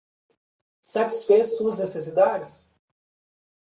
Satisfez suas necessidades